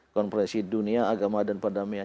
konferensi dunia agama dan pendamaian